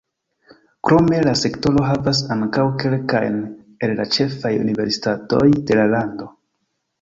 Krome la sektoro havas ankaŭ kelkajn el la ĉefaj universitatoj de la lando.